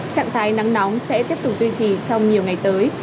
trạng thái nắng nóng sẽ tiếp tục duy trì trong nhiều ngày tới